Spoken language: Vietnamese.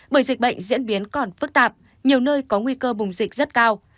bởi dịch bệnh diễn biến còn phức tạp nhiều nơi có nguy cơ bùng dịch rất cao